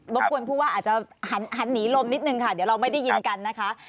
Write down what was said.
บกวนผู้ว่าอาจจะหันหนีลมนิดนึงค่ะเดี๋ยวเราไม่ได้ยินกันนะคะ